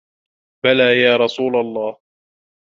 بَلَى يَا رَسُولَ اللَّهِ